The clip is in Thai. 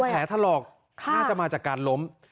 เป็นแผลทะเลาะน่าจะมาจากการลม